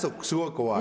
「怖い」。